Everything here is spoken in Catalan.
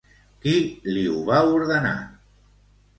Qui li ho va ordenar?